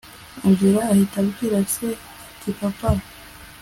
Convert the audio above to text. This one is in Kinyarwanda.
angella ahita abwira se ati papa